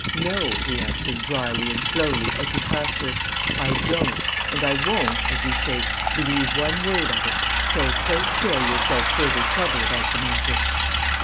"No," he answered, drily and slowly, as he passed her. "I don't, and I won't (as you say) believe one word of it; so, pray spare yourself further trouble about the matter."